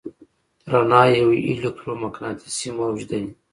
رڼا یو الکترومقناطیسي موج دی.